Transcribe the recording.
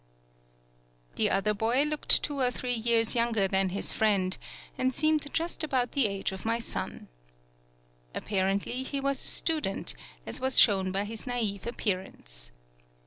The other boy looked two or three years younger than his friend, and seemed just about the age of my son. Apparently, he was a student, as was shown by his naive appearance.